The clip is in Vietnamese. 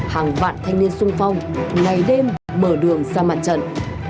hàng vạn thanh niên sung phong ngày đêm mở đường ra mặt trận